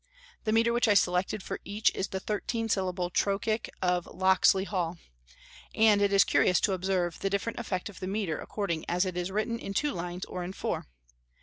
The metre which I selected for each is the thirteen syllable trochaic of "Locksley Hall;" and it is curious to observe the different effect of the metre according as it is written in two lines or in four.